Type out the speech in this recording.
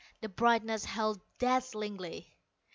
The brightness held dazzlingly.